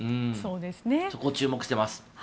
そこを注目しています。